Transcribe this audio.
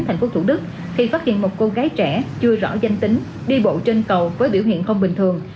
thành phố thủ đức thì phát hiện một cô gái trẻ chưa rõ danh tính đi bộ trên cầu với biểu hiện không bình thường